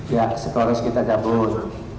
ya seterus kita cabut